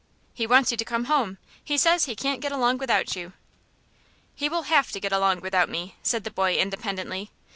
"He wants you to come home. He says he can't get along without you." "He will have to get along without me," said the boy, independently.